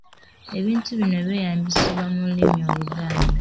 Ebintu bino byeyambisibwa mu lulimi Oluganda.